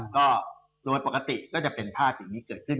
ก็โดยปกติก็จะเป็นภาพอย่างนี้เกิดขึ้น